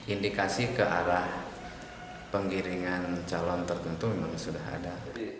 indikasi ke arah penggiringan calon tertentu memang sudah ada